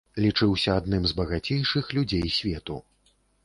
Лічыўся адным з багацейшых людзей свету.